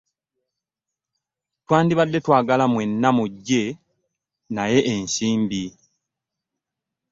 Twandibadde twagala mwenna mujje naye ensimbi.